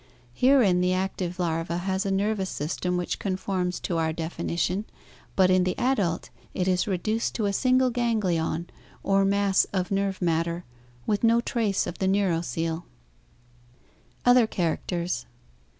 Herein the active larva has a nervous system which conforms to our definition, but in the adult it is reduced to a single ganglion, or mass of nerve matter, with no trace of the neuroccele. Other Characters.